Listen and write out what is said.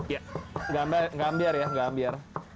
ya nggak ambiar ya nggak ambiar